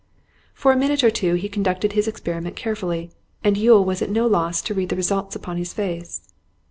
For a minute or two he conducted his experiment carefully, and Yule was at no loss to read the result upon his face.